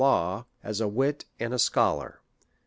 Law, as a wit and a scholar.